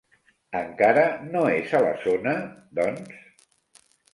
Encara no és a la zona, doncs?